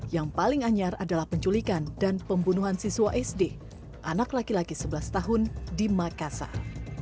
yang paling anyar adalah penculikan dan pembunuhan siswa sd anak laki laki sebelas tahun di makassar